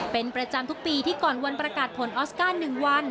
เป็นประจำทุกปีที่ก่อนวันประกาศผลออสการ์๑วัน